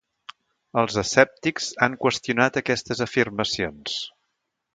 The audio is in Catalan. Els escèptics han qüestionat aquestes afirmacions.